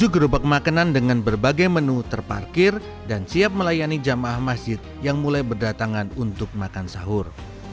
tujuh gerobak makanan dengan berbagai menu terparkir dan siap melayani jamaah masjid yang mulai berdatangan untuk makan sahur